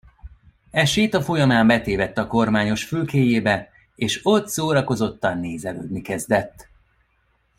E séta folyamán betévedt a kormányos fülkéjébe, és ott szórakozottan nézelődni kezdett.